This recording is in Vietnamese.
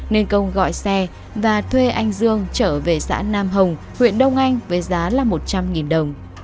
nên công gọi xe và thuê anh dương trở về xã nam hồng huyện đông anh với giá là một trăm linh đồng